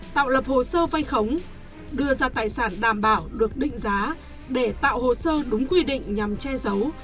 tạo lập hồ sơ vay khống đưa ra tài sản đảm bảo được định giá để tạo hồ sơ đúng quy định nhằm che giấu